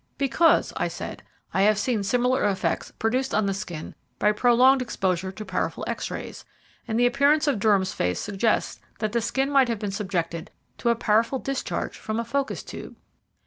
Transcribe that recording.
"Because," I said, "I have seen similar effects produced on the skin by prolonged exposure to powerful X rays, and the appearance of Durham's face suggests that the skin might have been subjected to a powerful discharge from a focus tube."